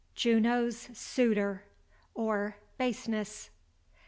—JUNO'S SUITOR, OR BASENESS.